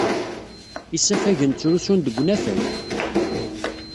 Isafagen ttrusun-d deg unafag.